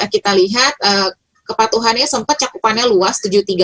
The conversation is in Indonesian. kita lihat kepatuhannya sempat cakupannya luas